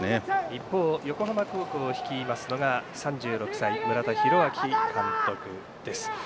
一方、横浜高校を率いますのが３６歳、村田浩明監督です。